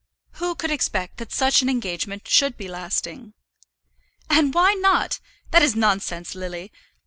Who could expect that such an engagement should be lasting?" "And why not? That is nonsense, Lily.